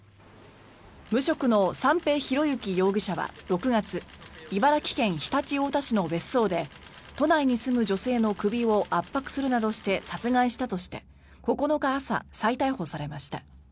無職の三瓶博幸容疑者は６月茨城県常陸太田市の別荘で都内に住む女性の首を圧迫するなどして殺害したとして９日朝、再逮捕されました。